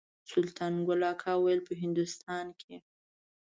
سلطان ګل اکا ویل په هندوستان کې.